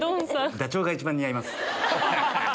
ダチョウが一番似合います。